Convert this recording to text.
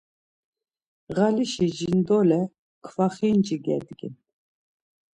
Ğalişi jindole kvaxinci gedgin.